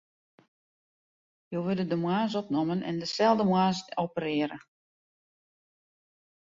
Jo wurde de moarns opnommen en deselde moarns operearre.